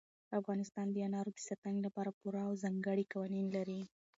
افغانستان د انارو د ساتنې لپاره پوره او ځانګړي قوانین لري.